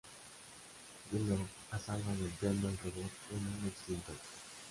Willow la salva golpeando al robot con un extintor.